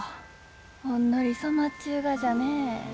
ほんのり染まっちゅうがじゃね。